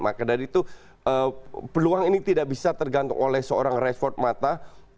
maka dari itu peluang ini tidak bisa tergantung oleh seorang rafford mata